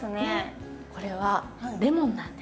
これはレモンなんです。